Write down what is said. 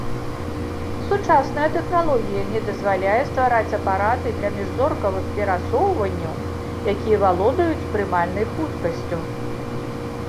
Сучасная тэхналогія не дазваляе ствараць апараты для міжзоркавых перасоўванняў, якія валодаюць прымальнай хуткасцю.